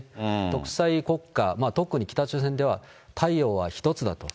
独裁国家、特に北朝鮮では、太陽は一つだと。